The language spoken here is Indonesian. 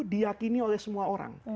diakini oleh semua orang